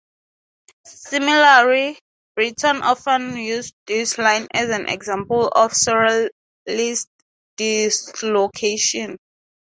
Similarly, Breton often used this line as an example of Surrealist dislocation.